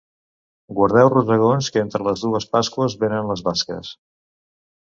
Guardeu rosegons, que entre les dues pasqües venen les basques.